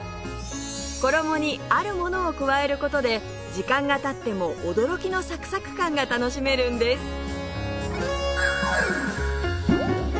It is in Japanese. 衣にあるものを加える事で時間が経っても驚きのサクサク感が楽しめるんです